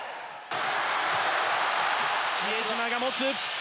比江島が持つ。